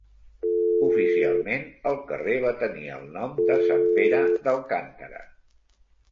Oficialment el carrer va tenir el nom de Sant Pere d'Alcàntara.